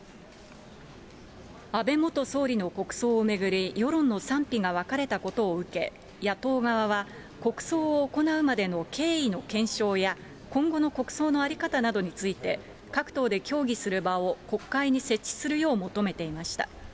安倍元総理の国葬を巡り、世論の賛否が分かれたことを受け、野党側は国葬を行うまでの経緯の検証や、今後の国葬の在り方などについて、各党で協議する場を国会に設置するよう求めていました。